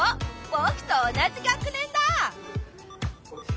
ぼくと同じ学年だ！